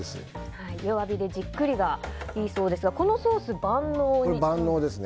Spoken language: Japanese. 弱火でじっくりがいいそうですがこのソース、万能なんですか？